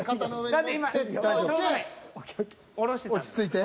落ち着いて。